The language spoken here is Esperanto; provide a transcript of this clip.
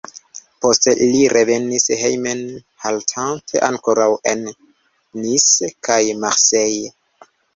Poste ili revenis hejmen haltante ankoraŭ en Nice kaj Marseille.